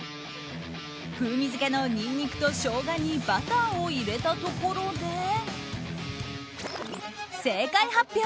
風味付けのニンニクとショウガにバターを入れたところで正解発表！